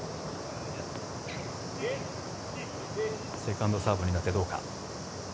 セカンドサーブになってどうか。